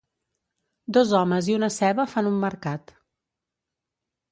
Dos homes i una ceba fan un mercat.